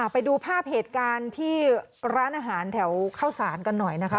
ไปดูภาพเหตุการณ์ที่ร้านอาหารแถวเข้าสารกันหน่อยนะคะ